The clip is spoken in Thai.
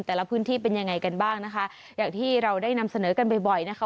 แต่ละพื้นที่เป็นยังไงกันบ้างนะคะอย่างที่เราได้นำเสนอกันบ่อยบ่อยนะคะ